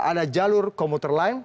ada jalur komuter lain